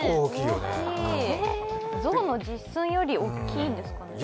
ゾウの実寸より大きいんですかね。